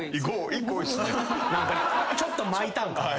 何かちょっと巻いたんかな。